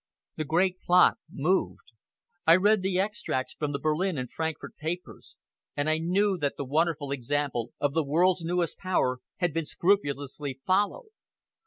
The great plot moved. I read the extracts from the Berlin and Frankfort papers, and I knew that the wonderful example of the world's newest Power had been scrupulously followed.